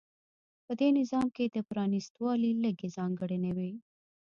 په دې نظام کې د پرانېستوالي لږې ځانګړنې وې.